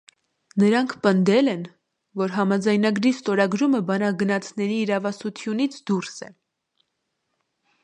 Նրանք պնդել են, որ համաձայնագրի ստորագրումը բանագնացների իրավասությունից դուրս է։